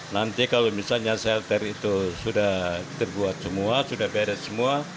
nanti kalau misalnya shelter itu sudah terbuat semua sudah beres semua